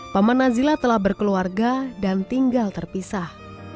paman nazila telah berkeluarga dan tinggal terpisah